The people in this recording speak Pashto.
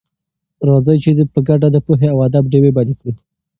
راځئ چې په ګډه د پوهې او ادب ډېوې بلې کړو.